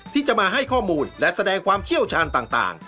ที่จะมาให้ข้อมูลและแสดงความเชี่ยวชาญต่าง